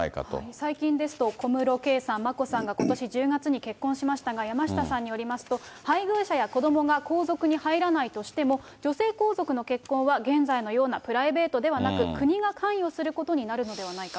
最近ですと、小室圭さん、眞子さんがことし１０月に結婚しましたが、山下さんによりますと、配偶者や子どもが皇族に入らないとしても、女性皇族の結婚は現在のようなプライベートではなく、国が関与することになるのではないかと。